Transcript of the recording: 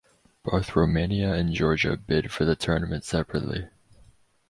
Both Romania and Georgia bid for the tournament separately.